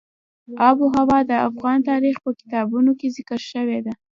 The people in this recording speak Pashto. آب وهوا د افغان تاریخ په کتابونو کې ذکر شوې ده.